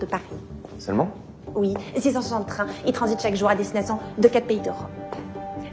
はい。